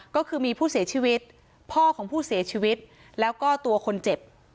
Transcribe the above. ก็คือมีผู้เสียชีวิตพ่อของผู้เสียชีวิตแล้วก็ตัวคนเจ็บ